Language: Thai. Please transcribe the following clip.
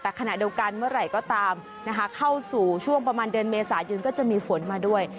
แต่ขณะเดียวกันเมื่อไหร่ก็ตามนะคะเข้าสู่ช่วงประมาณเดือนเมษายนก็จะมีฝนมาด้วย